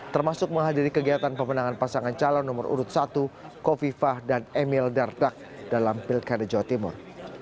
termasuk menghadiri kegiatan pemenangan pasangan calon nomor urut satu kofifah dan emil dardak dalam pilkada jawa timur